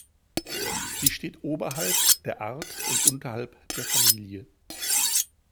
Sie steht oberhalb der Art und unterhalb der Familie.